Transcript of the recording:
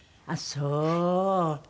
ああそう。